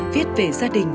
viết về gia đình